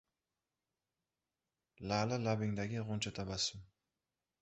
La’li labingdagi g‘uncha tabassum